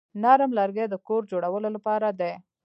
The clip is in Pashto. نرم لرګي د کور جوړولو لپاره دي.